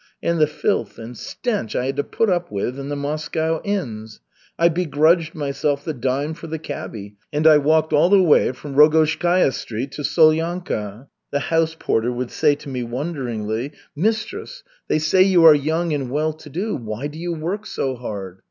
And the filth and stench I had to put up with in the Moscow inns! I begrudged myself the dime for the cabby, and I walked all the way from Rogozhskaya Street to Solyanka. The house porter would say to me wonderingly: "Mistress, they say you are young and well to do, why do you work so hard?"